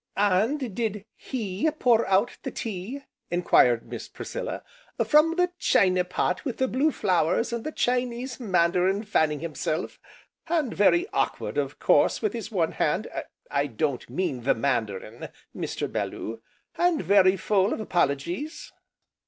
"And did He pour out the tea?" enquired Miss Priscilla, "from the china pot with the blue flowers and the Chinese Mandarin fanning himself, and very awkward, of course, with his one hand, I don't mean the Mandarin, Mr. Bellew, and very full of apologies?"